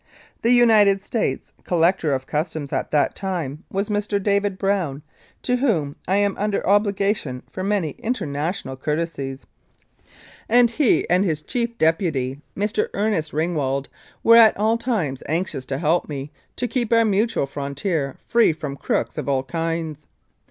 The United States Collector of Customs at that time was Mr. David Brown, to whom I am under obligation for many international courtesies, and he and his chief 91 Mounted Police Life in Canada deputy, Mr. Ernest Ringwald, were at all times anxious to help me to keep our mutual frontier free from crooks of all kinds.